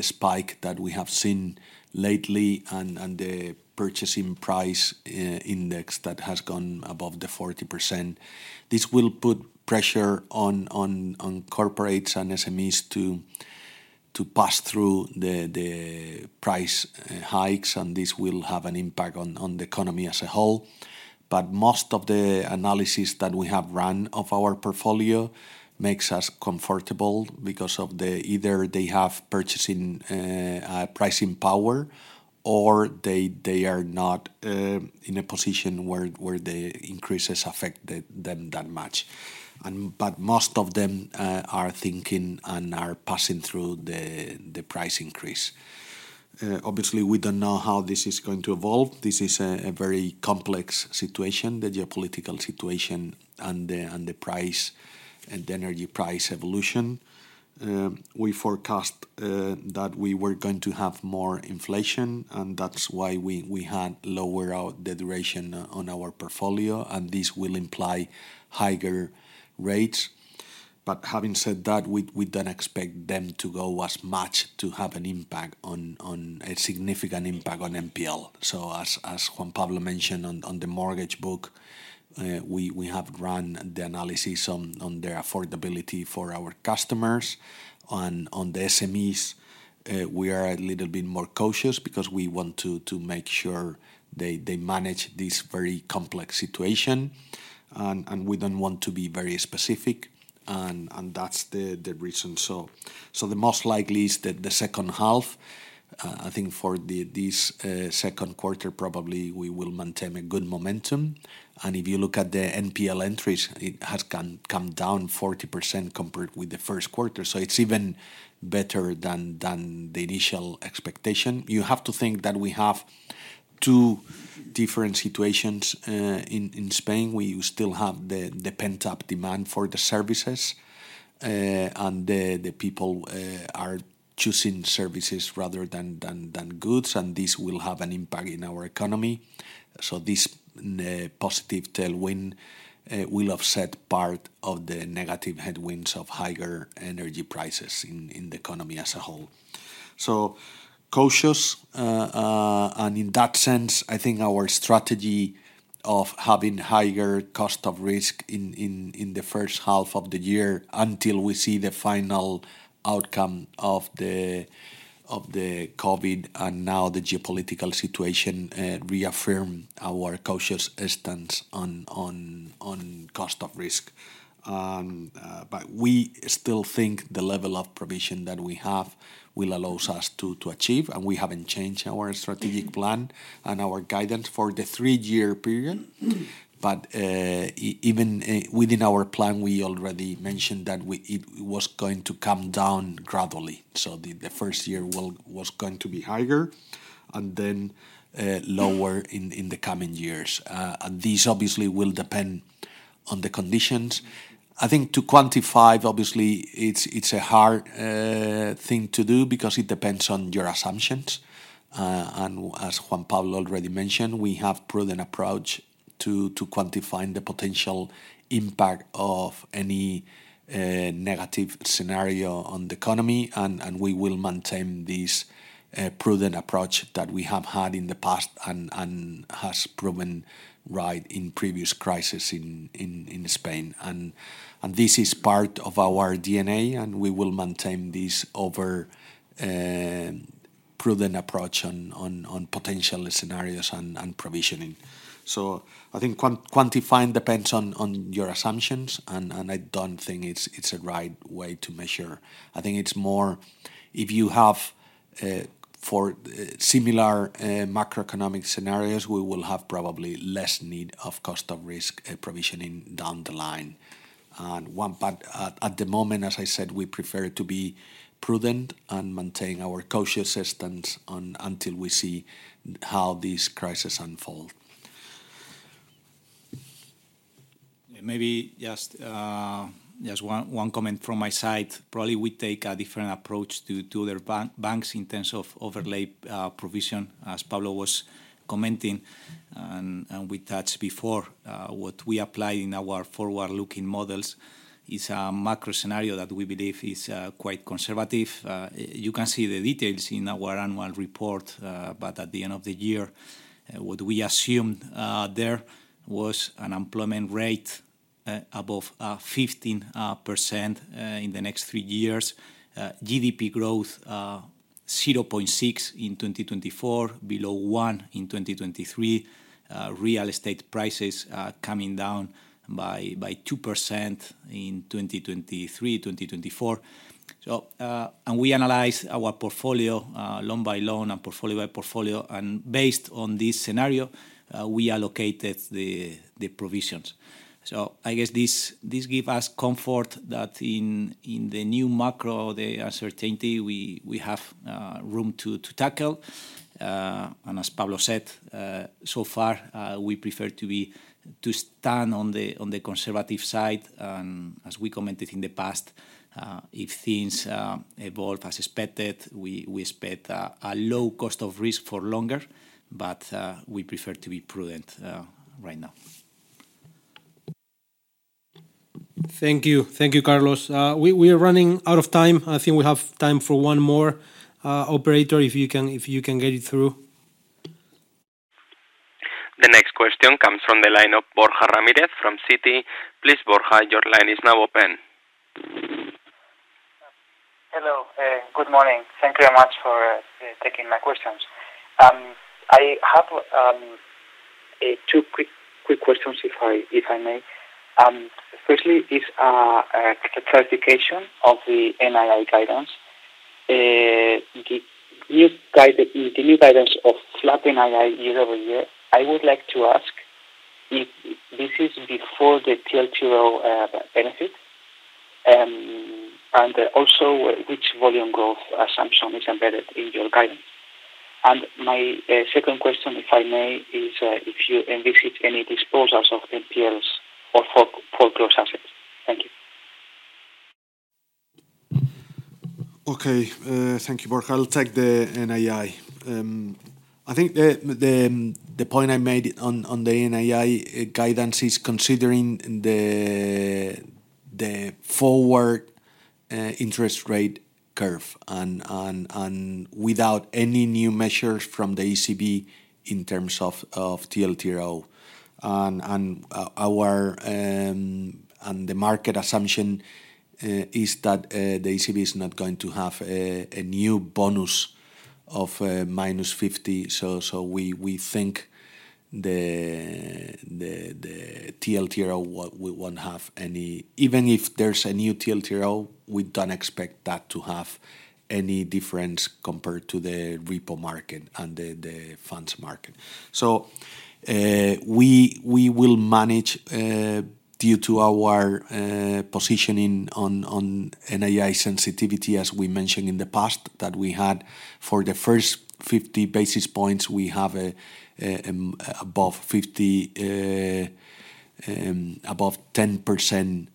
spike that we have seen lately and the producer price index that has gone above the 40% will put pressure on corporates and SMEs to pass through the price hikes, and this will have an impact on the economy as a whole. Most of the analysis that we have run of our portfolio makes us comfortable because either they have pricing power or they are not in a position where the increases affect them that much. Most of them are thinking and are passing through the price increase. Obviously, we don't know how this is going to evolve. This is a very complex situation, the geopolitical situation and the energy price evolution. We forecast that we were going to have more inflation, and that's why we had lowered the duration on our portfolio, and this will imply higher rates. Having said that, we don't expect them to go as much as to have a significant impact on NPL. As Juan Pablo mentioned on the mortgage book, we have run the analysis on the affordability for our customers. On the SMEs, we are a little bit more cautious because we want to make sure they manage this very complex situation. We don't want to be very specific, and that's the reason. The most likely is that the second half, I think for this second quarter, probably we will maintain a good momentum. If you look at the NPL entries, it has come down 40% compared with the first quarter, so it's even better than the initial expectation. You have to think that we have two different situations in Spain. We still have the pent-up demand for the services, and the people are choosing services rather than goods, and this will have an impact in our economy. This positive tailwind will offset part of the negative headwinds of higher energy prices in the economy as a whole. Cautious, and in that sense, I think our strategy of having higher cost of risk in the first half of the year until we see the final outcome of the COVID and now the geopolitical situation, reaffirm our cautious stance on cost of risk. We still think the level of provision that we have will allows us to achieve, and we haven't changed our strategic plan and our guidance for the three-year period. Even within our plan, we already mentioned that it was going to come down gradually. The first year was going to be higher and then lower in the coming years. This obviously will depend on the conditions. I think to quantify, obviously it's a hard thing to do because it depends on your assumptions. As Juan Pablo already mentioned, we have prudent approach to quantifying the potential impact of any negative scenario on the economy, and we will maintain this prudent approach that we have had in the past and has proven right in previous crisis in Spain. This is part of our DNA, and we will maintain this our prudent approach on potential scenarios and provisioning. I think quantifying depends on your assumptions, and I don't think it's a right way to measure. I think it's more if you have similar macroeconomic scenarios, we will have probably less need of cost of risk provisioning down the line. At the moment, as I said, we prefer to be prudent and maintain our cautious stance until we see how this crisis unfold. Maybe just one comment from my side. Probably we take a different approach to other banks in terms of overlay provision, as Pablo was commenting, and we touched before. What we apply in our forward-looking models is a macro scenario that we believe is quite conservative. You can see the details in our annual report, but at the end of the year, what we assumed there was an unemployment rate above 15% in the next three years. GDP growth 0.6% in 2024, below 1% in 2023. Real estate prices are coming down by 2% in 2023-2024. We analyze our portfolio loan by loan and portfolio by portfolio, and based on this scenario, we allocated the provisions. I guess this gives us comfort that in the new macro uncertainty, we have room to tackle. As Pablo said, so far, we prefer to stand on the conservative side. As we commented in the past, if things evolve as expected, we expect a low cost of risk for longer, but we prefer to be prudent right now. Thank you. Thank you, Carlos. We are running out of time. I think we have time for one more operator, if you can get it through. The next question comes from the line of Borja Ramirez from Citi. Please, Borja, your line is now open. Hello. Good morning. Thank you very much for taking my questions. I have two quick questions if I may. Firstly, a clarification of the NII guidance. The new guidance of flat NII year-over-year, I would like to ask if this is before the TLTRO benefit, and also which volume growth assumption is embedded in your guidance. My second question, if I may, is if you envisage any disposals of NPLs or foreclosed assets. Thank you. Thank you, Borja. I'll take the NII. I think the point I made on the NII guidance is considering the forward interest rate curve and without any new measures from the ECB in terms of TLTRO. Our market assumption is that the ECB is not going to have a new bonus of -50. We think the TLTRO won't have any. Even if there's a new TLTRO, we don't expect that to have any difference compared to the repo market and the funds market. We will manage due to our positioning on NII sensitivity, as we mentioned in the past, that we had. For the first 50 basis points, we have above 50 above 10%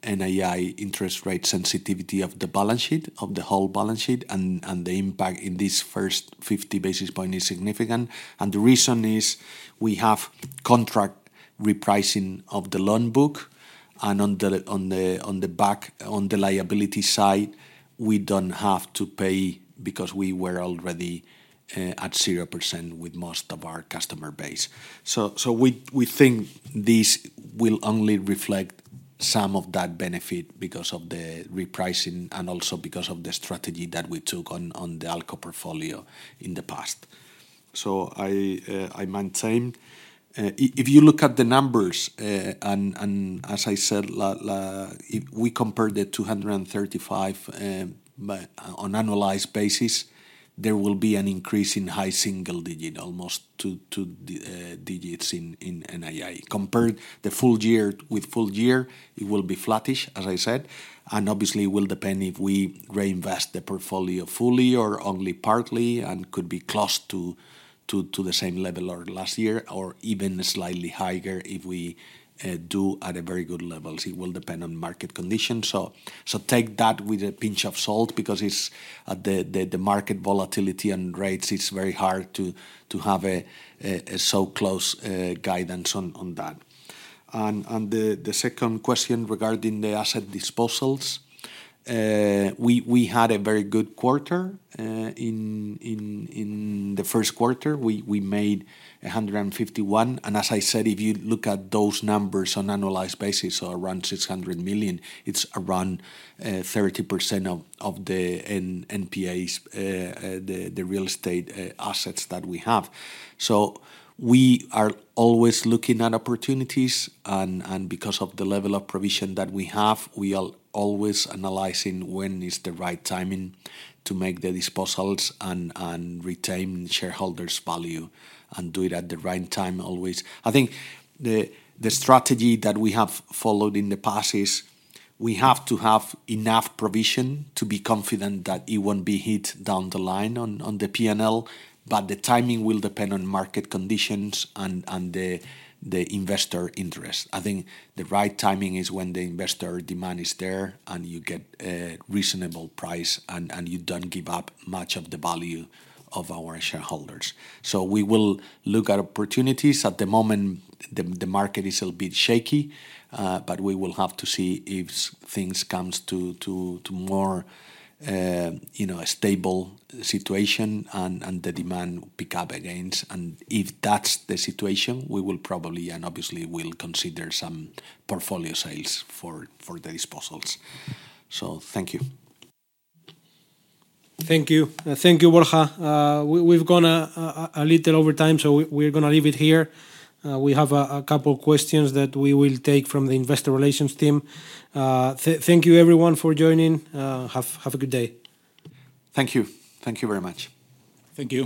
NII interest rate sensitivity of the balance sheet, of the whole balance sheet, and the impact in this first 50 basis point is significant. The reason is we have contract repricing of the loan book, and on the back on the liability side, we don't have to pay because we were already at 0% with most of our customer base. We think this will only reflect some of that benefit because of the repricing and also because of the strategy that we took on the ALCO portfolio in the past. I maintain. If you look at the numbers, and as I said, if we compare the 235 on annualized basis, there will be an increase in high single-digit, almost two-digit in NII. Compared the full year with full year, it will be flattish, as I said, and obviously will depend if we reinvest the portfolio fully or only partly, and could be close to the same level of last year or even slightly higher if we do it at very good levels. It will depend on market conditions. Take that with a pinch of salt because it's the market volatility and rates, it's very hard to have such a close guidance on that. The second question regarding the asset disposals, we had a very good quarter. In the first quarter, we made 151 million, and as I said, if you look at those numbers on annualized basis, around 600 million, it's around 30% of the NPAs, the real estate assets that we have. We are always looking at opportunities and because of the level of provision that we have, we are always analyzing when is the right timing to make the disposals and retain shareholders' value and do it at the right time always. I think the strategy that we have followed in the past is we have to have enough provision to be confident that it won't be hit down the line on the P&L, but the timing will depend on market conditions and the investor interest. I think the right timing is when the investor demand is there, and you get a reasonable price, and you don't give up much of the value of our shareholders. We will look at opportunities. At the moment, the market is a bit shaky, but we will have to see if things comes to more you know, a stable situation and the demand pick up again. If that's the situation, we will probably and obviously will consider some portfolio sales for the disposals. Thank you. Thank you. Thank you, Pablo. We've gone a little over time, so we're gonna leave it here. We have a couple questions that we will take from the investor relations team. Thank you everyone for joining. Have a good day. Thank you. Thank you very much. Thank you.